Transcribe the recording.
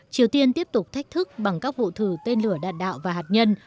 triều tiên tiếp tục thách thức bằng các vụ thử tên lửa đạn đạo và hạt nhân